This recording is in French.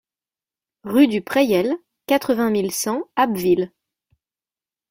Rue du Prayel, quatre-vingt mille cent Abbeville